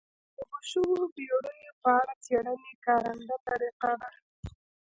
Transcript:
د ډوبو شویو بېړیو په اړه څېړنې کارنده طریقه ده.